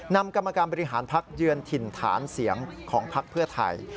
นำกรรมการบริหารพักเยือนถิ่นฐานเสียงของพักเพื่อไทย